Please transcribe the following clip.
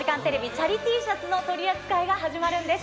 チャリＴシャツの取り扱いが始まるんです。